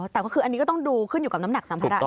อ๋อแต่อันนี้ก็ต้องดูขึ้นอยู่กับน้ำหนักสัมภาระด้วยไหมครับ